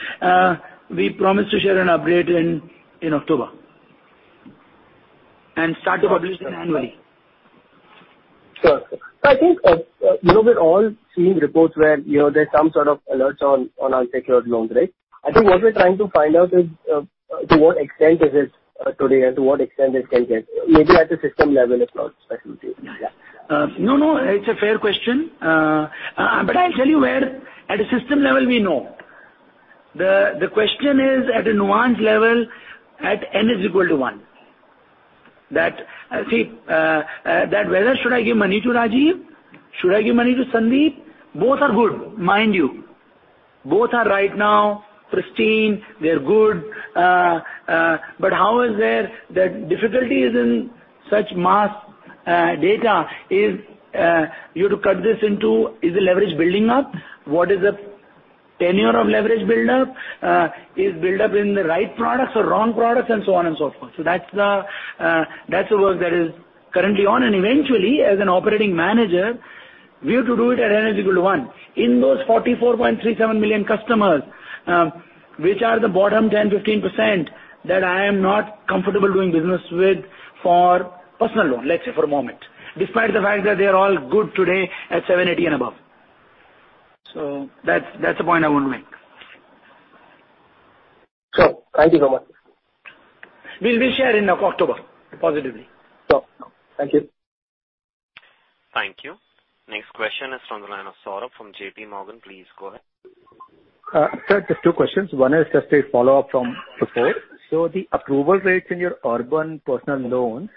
We promise to share an update in October and start to publish in annually. Sure. I think, you know, we're all seeing reports where, you know, there's some sort of alerts on unsecured loans, right? I think what we're trying to find out is, to what extent is this today and to what extent it can get, maybe at the system level as well, especially? Yeah. No, no, it's a fair question. I'll tell you where at a system level we know. The question is, at a nuance level, at N is equal to one. That, see, that whether should I give money to Rajiv? Should I give money to Sandeep? Both are good, mind you. Both are right now pristine, they're good. But how is there... The difficulty is in such mass data, is you to cut this into, is the leverage building up? What is the tenure of leverage buildup? Is buildup in the right products or wrong products? So on and so forth. That's the work that is currently on. Eventually, as an operating manager, we have to do it at N is equal to one. In those 44.37 million customers, which are the bottom 10%, 15% that I am not comfortable doing business with for personal loan, let's say for a moment, despite the fact that they are all good today at 7, 8, and above. That's the point I want to make. Sure. Thank you so much. We'll share in, October, positively. Sure. Thank you. Thank you. Next question is from the line of Saurabh from JP Morgan. Please go ahead. Sir, just two questions. One is just a follow-up from before. The approval rates in your urban personal loans,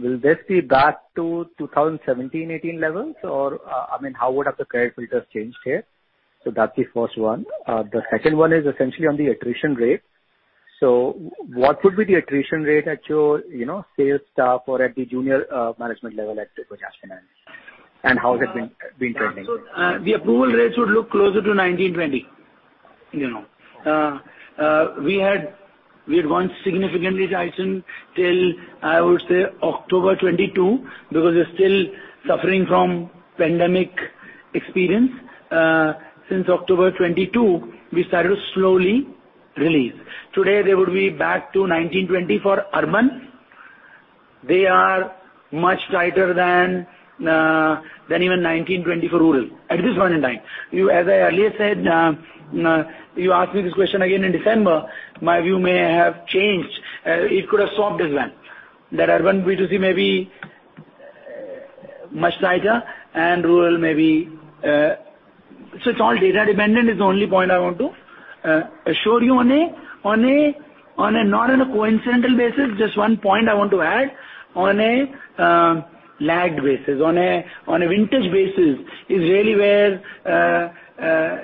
will this be back to 2017-2018 levels? I mean, how would have the credit filters changed here? That's the first one. The second one is essentially on the attrition rate. what would be the attrition rate at your, you know, sales staff or at the junior management level at Bajaj Finance, and how has it been trending? The approval rates would look closer to 19, 20, you know. We had 1 significant retention till, I would say, October 2022, because we're still suffering from pandemic experience. Since October 2022, we started to slowly release. Today, they would be back to 19, 20 for urban. They are much tighter than even 19, 20 for rural, at this point in time. As I earlier said, you ask me this question again in December, my view may have changed. It could have swapped as well. That urban B2C may be much tighter and rural may be. It's all data dependent, is the only point I want to assure you on a not on a coincidental basis, just 1 point I want to add. On a lagged basis, on a vintage basis, is really where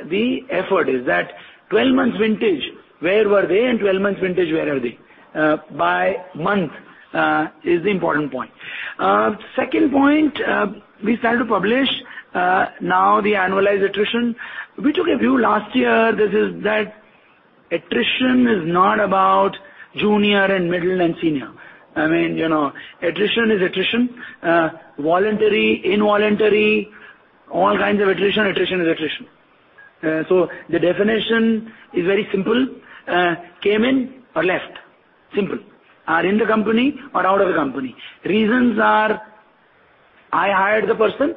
the effort is. That 12-month vintage, where were they, and 12-months vintage, where are they? By month is the important point. Second point, we started to publish now the annualized attrition. We took a view last year, this is that attrition is not about junior and middle and senior. I mean, you know, attrition is attrition. Voluntary, involuntary, all kinds of attrition is attrition. The definition is very simple: came in or left? Simple. Are in the company or out of the company. Reasons are, I hired the person,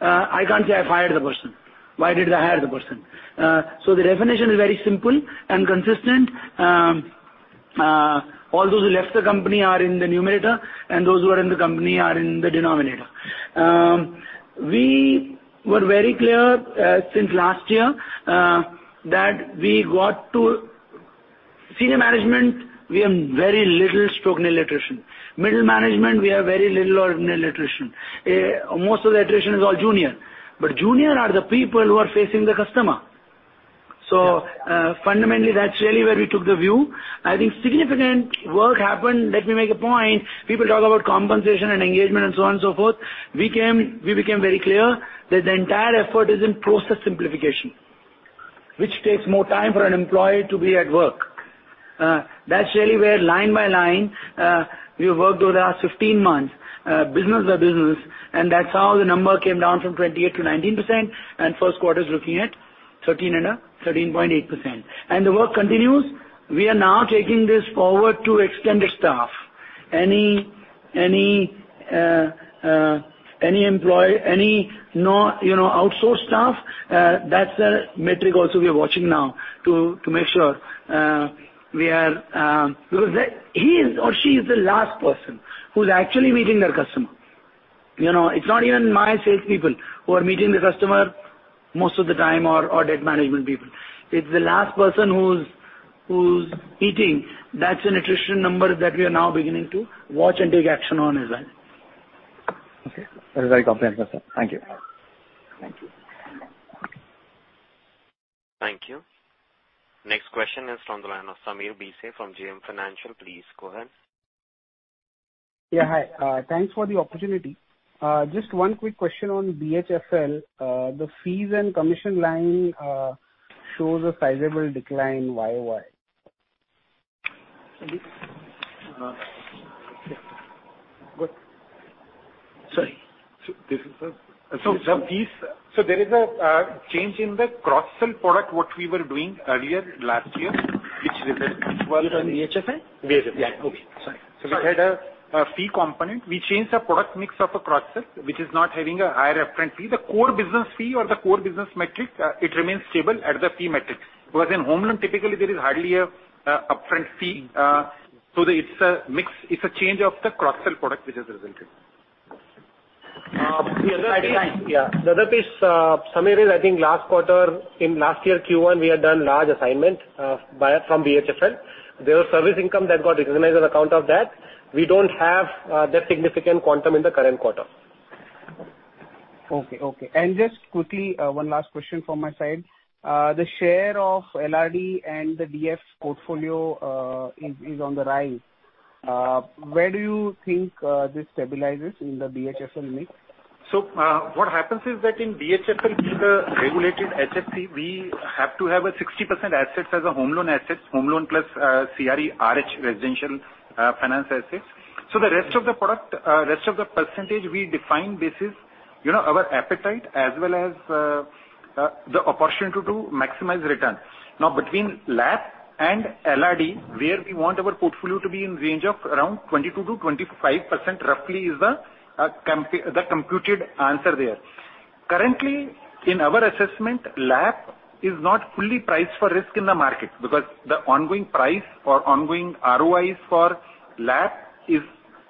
I can't say I fired the person. Why did I hire the person? The definition is very simple and consistent. All those who left the company are in the numerator, and those who are in the company are in the denominator. We were very clear since last year that we got to senior management, we have very little stroke in attrition. Middle management, we have very little or no attrition. Most of the attrition is all junior, but junior are the people who are facing the customer. Fundamentally, that's really where we took the view. I think significant work happened. Let me make a point. People talk about compensation and engagement and so on and so forth. We came, we became very clear that the entire effort is in process simplification, which takes more time for an employee to be at work. That's really where line by line, we worked over the last 15 months, business by business, and that's how the number came down from 28% to 19%, and first quarter is looking at 13.8%. The work continues. We are now taking this forward to extended staff. Any employee, any no, you know, outsourced staff, that's a metric also we are watching now to make sure we are, because he is or she is the last person who's actually meeting their customer. You know, it's not even my sales people who are meeting the customer most of the time or debt management people. It's the last person who's meeting. That's an attrition number that we are now beginning to watch and take action on as well. Okay. That is very comprehensive, sir. Thank you. Thank you. Thank you. Next question is from the line of Sameer Bhise from JM Financial. Please go ahead. Yeah, hi. Thanks for the opportunity. Just one quick question on BHFL. The fees and commission line shows a sizable decline year-over-year. Sorry. This is the fees, so there is a change in the cross-sell product, what we were doing earlier last year, which was. In BHFL? BHFL. Yeah. Okay, sorry. We had a fee component. We changed the product mix of a cross-sell, which is not having a higher upfront fee. The core business fee or the core business metric, it remains stable at the fee metric. Whereas in home loan, typically, there is hardly a upfront fee, so it's a mix. It's a change of the cross-sell product, which has resulted. the other piece- Yeah. The other piece, Samir, is I think last quarter, in last year Q1, we had done large assignment, buyer from BHFL. There was service income that got recognized on account of that. We don't have that significant quantum in the current quarter. Okay. Okay. Just quickly, one last question from my side. The share of LRD and the DF portfolio is on the rise. Where do you think this stabilizes in the BHFL mix? What happens is that in BHFL, which is a regulated HFC, we have to have 60% assets as a home loan assets, home loan plus, CRE, RH, residential, finance assets. The rest of the product, rest of the percentage, we define this is, you know, our appetite as well as the opportunity to maximize return. Between LAP and LRD, where we want our portfolio to be in range of around 22%-25% roughly is the computed answer there. Currently, in our assessment, LAP is not fully priced for risk in the market, because the ongoing price or ongoing ROIs for LAP is,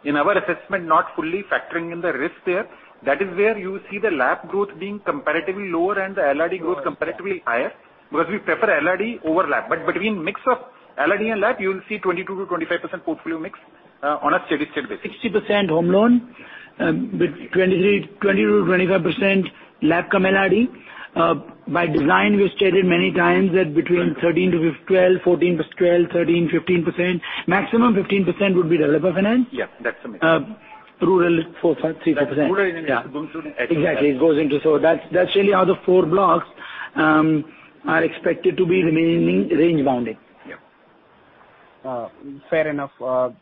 in our assessment, not fully factoring in the risk there. That is where you see the LAP growth being comparatively lower and the LRD growth comparatively higher, because we prefer LRD over LAP. Between mix of LRD and LAP, you will see 22%-25% portfolio mix on a steady-state basis. 60% home loan, with 20%-25% LAP cum LRD. By design, we stated many times that between 13%-12%, 14%-12%, 13%, 15%, maximum 15% would be the developer finance. Yeah, that's the mix. rural, 4%, 5%, 3%, 4%. Rural is going to- Exactly. That's really how the four blocks are expected to be remaining range bounding. Yeah. Fair enough.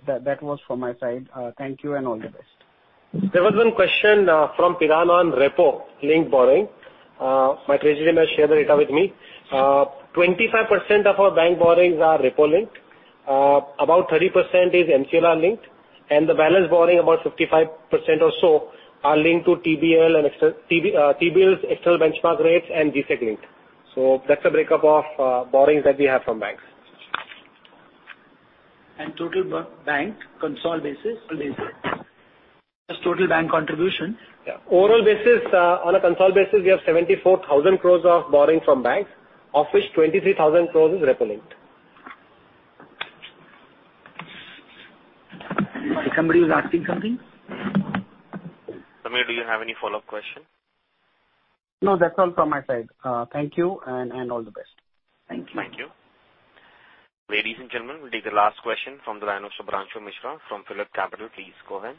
That was from my side. Thank you and all the best. There was 1 question from Piran on repo linked borrowing. My president has shared the data with me. 25% of our bank borrowings are repo linked. About 30% is MCLR linked, and the balance borrowing, about 55% or so, are linked to TBL and T-bills, external benchmark rates, and GSEC linked. That's a breakup of borrowings that we have from banks. Total bank consol basis. Total bank contribution. Yeah. Overall basis, on a consol basis, we have 74,000 crores of borrowing from banks, of which 23,000 crores is repo linked. Somebody was asking something? Samir, do you have any follow-up question? No, that's all from my side. Thank you and all the best. Thank you. Thank you. Ladies and gentlemen, we'll take the last question from the line of Shubhranshu Mishra from PhillipCapital. Please go ahead.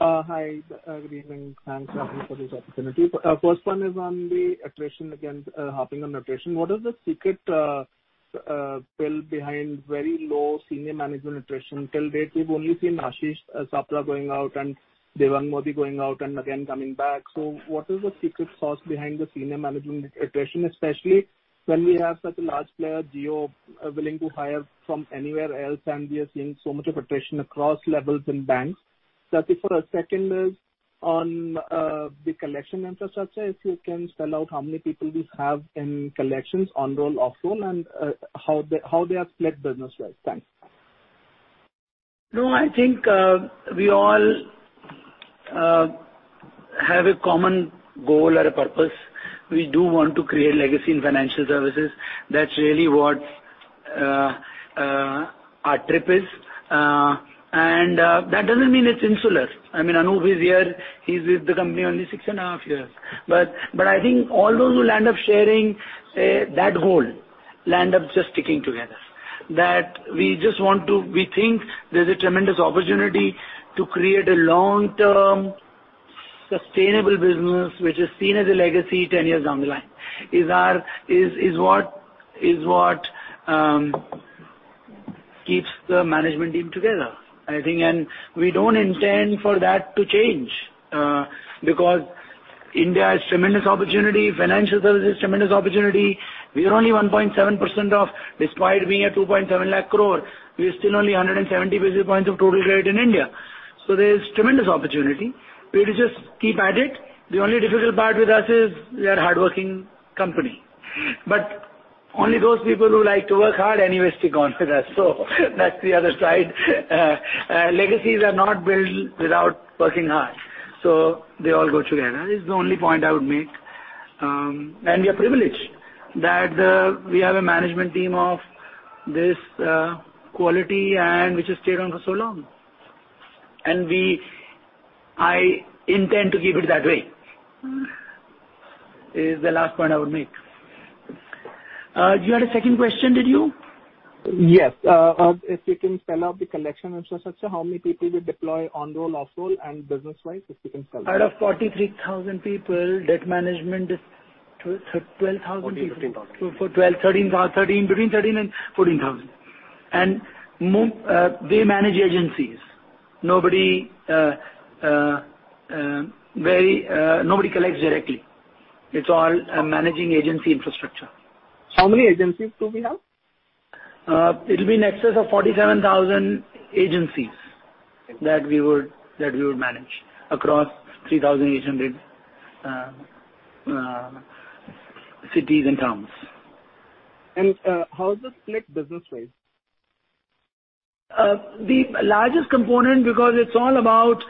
Hi, good evening. Thanks for this opportunity. First one is on the attrition, again, hopping on attrition. What is the secret pill behind very low senior management attrition? Till date, we've only seen Ashish Sapra going out and Devang Mody going out and again coming back. What is the secret sauce behind the senior management attrition, especially when we have such a large player, Jio, willing to hire from anywhere else, and we are seeing so much of attrition across levels in banks? Second is on the collection infrastructure. If you can spell out how many people we have in collections, on role, off role, and how they have split business-wise? Thanks. I think, we all have a common goal or a purpose. We do want to create a legacy in financial services. That's really what our trip is. That doesn't mean it's insular. I mean, Anup is here. He's with the company only 6 and a half years. I think all those who land up sharing that goal, land up just sticking together. That we just want to. We think there's a tremendous opportunity to create a long-term, sustainable business, which is seen as a legacy 10 years down the line, is what keeps the management team together, I think, and we don't intend for that to change because India has tremendous opportunity. Financial services is tremendous opportunity. We are only 1.7% of despite being a 2.7 lakh crore, we are still only 170 basis points of total credit in India. There is tremendous opportunity. We just keep at it. The only difficult part with us is we are hardworking company, but only those people who like to work hard anyway, stick on with us. That's the other side. Legacies are not built without working hard, so they all go together. It's the only point I would make. We are privileged that we have a management team of this quality and which has stayed on for so long. I intend to keep it that way, is the last point I would make. You had a second question, did you? Yes. if you can spell out the collection infrastructure, how many people you deploy on role, off role, and business wise, if you can spell that? Out of 43,000 people, debt management is 12,000 people. INR 14,000, 15,000. 12, 13, between 13 and 14,000. They manage agencies. Nobody collects directly. It's all a managing agency infrastructure. How many agencies do we have? It'll be in excess of 47,000 agencies that we would manage across 3,800 cities and towns. How is it split business-wise? The largest component, because it's all about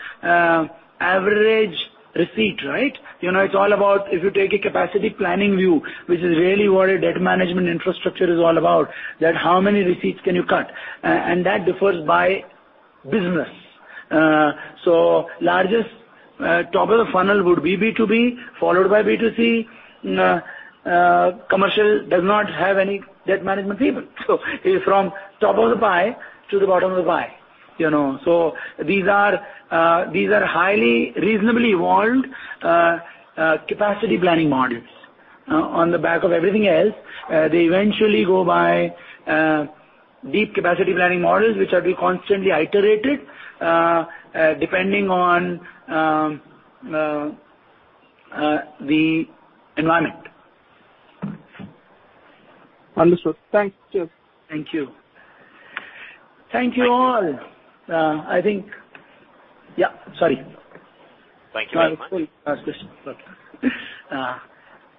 average receipt, right? You know, it's all about if you take a capacity planning view, which is really what a debt management infrastructure is all about, that how many receipts can you cut? That differs by business. Largest top of the funnel would be B2B, followed by B2C. Commercial does not have any debt management people. It's from top of the pie to the bottom of the pie, you know. These are highly reasonably evolved capacity planning models. On the back of everything else, they eventually go by deep capacity planning models, which are being constantly iterated depending on the environment. Understood. Thank you. Thank you. Thank you, all. Yeah, sorry. Thank you very much. Yes.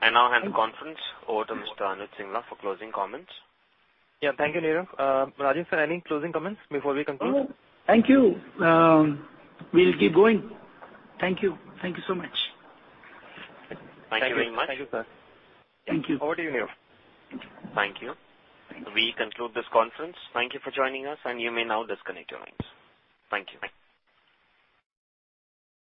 I now hand the conference over to Mr. Anuj Singla for closing comments. Yeah. Thank you, Nirav. Rajiv, sir, any closing comments before we conclude? No. Thank you. We'll keep going. Thank you. Thank you so much. Thank you very much. Thank you, sir. Thank you. Over to you, Nirav. Thank you. We conclude this conference. Thank you for joining us, and you may now disconnect your lines. Thank you. Bye.